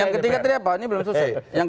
yang ketiga tadi apa ini belum selesai